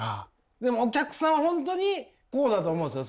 でもお客さんは本当にこうだと思うんです。